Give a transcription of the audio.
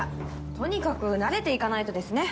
とにかく慣れていかないとですね。